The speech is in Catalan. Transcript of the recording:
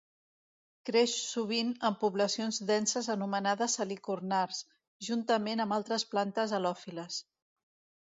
Creix sovint en poblacions denses anomenades salicornars, juntament amb altres plantes halòfiles.